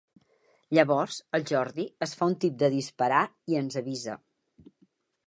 Llavors el Jordi es fa un tip de disparar i ens avisa.